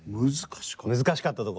難しかったとこ。